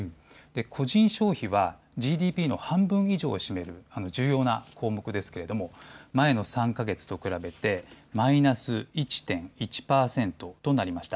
個人消費はＧＤＰの半分以上を占める重要な項目ですが前の３か月と比べてマイナス１．１％となりました。